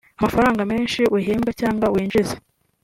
amafaranga menshi uhembwa cyangwa winjiza